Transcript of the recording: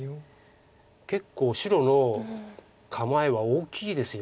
結構白の構えは大きいですよね。